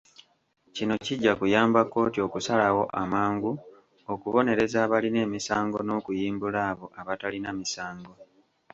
Kino kijja kuyamba kkooti okusalawo amangu okubonereza abalina emisango n'okuyimbula abo abatalina misango.